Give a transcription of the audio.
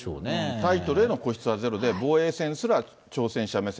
タイトルへの固執はゼロで、防衛戦すら挑戦者目線。